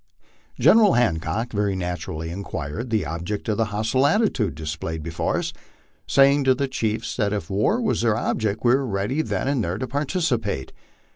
General Hancock very naturally inquired the object of the hostile attitude displayed before us, saying to the chiefs that if war was their object we were ready then and there to participate.